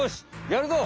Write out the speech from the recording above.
やるぞ！